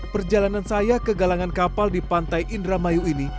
perjalanan saya ke galangan kapal di pantai indramayu ini